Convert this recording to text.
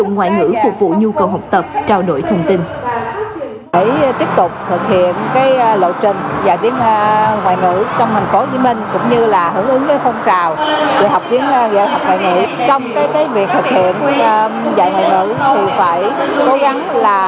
ngoại ngữ phục vụ nhu cầu học tập trao đổi thông tin